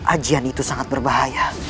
ajian itu sangat berbahaya